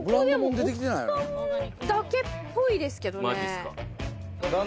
奥さんだけっぽいですけどね。